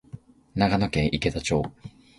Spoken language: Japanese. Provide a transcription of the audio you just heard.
長野県池田町